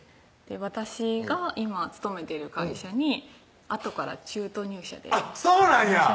私が今勤めてる会社にあとから中途入社でそうなんや！